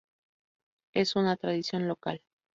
Es una tradición local.